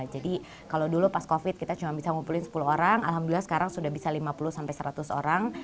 jadi kalau dulu pas covid kita cuma bisa ngumpulin sepuluh orang alhamdulillah sekarang sudah bisa lima puluh sampai seratus orang